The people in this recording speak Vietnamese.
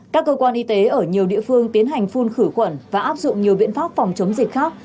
các cơ quan y tế ở nhiều địa phương tiến hành phun khử khuẩn và áp dụng nhiều biện pháp phòng chống dịch khác